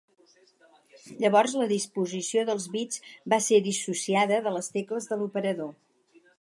Llavors la disposició dels bits va ser dissociada de les tecles de l'operador.